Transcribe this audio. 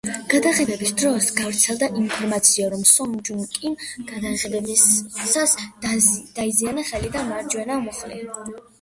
გადაღებების დროს გავრცელდა ინფორმაცია, რომ სონ ჯუნ კიმ გადაღებებისას დაიზიანა ხელი და მარჯვენა მუხლი.